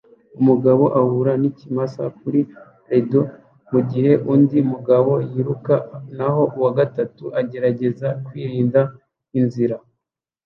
Umugabo ahura n'ikimasa kuri rodeo mugihe undi mugabo yiruka naho uwa gatatu agerageza kwirinda inzira